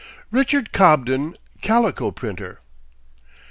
RICHARD COBDEN, CALICO PRINTER.